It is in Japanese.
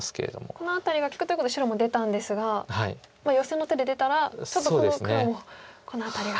この辺りが利くということで白も出たんですがヨセの手で出たらちょっとこの黒もこの辺りが。